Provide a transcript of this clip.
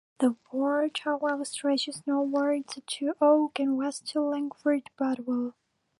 The ward however stretches northwards to Oake and west to Langford Budville.